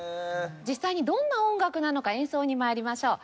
実際にどんな音楽なのか演奏に参りましょう。